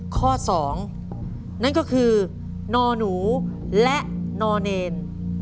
ข้อ๒นั่นก็คือนอหนูและนอเนร